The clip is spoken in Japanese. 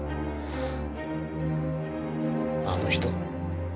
あの人。